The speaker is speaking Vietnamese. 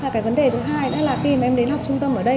cái vấn đề thứ hai nữa là khi mà em đến học trung tâm ở đây